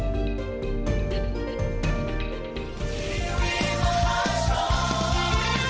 โปรดติดตามตอนต่อไป